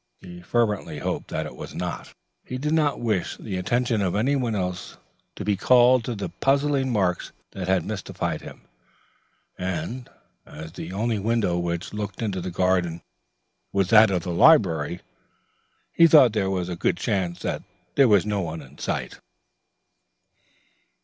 He fervently hoped that it was not: he did not wish the attention of anyone else to be called to the puzzling marks that had mystified him; and, as the only window which looked into the garden was that of the library, he thought there was a good chance that there was no one in sight.